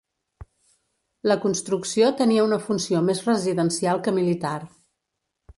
La construcció tenia una funció més residencial que militar.